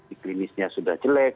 iklimisnya sudah jelek